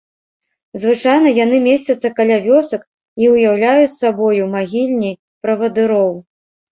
Звычайна яны месцяцца каля вёсак і ўяўляюць сабою магільні правадыроў.